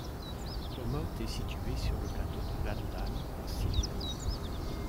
Tommot est située sur le plateau de l'Aldan, en Sibérie.